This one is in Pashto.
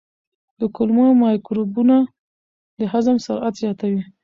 د کولمو مایکروبونه د هضم سرعت زیاتوي.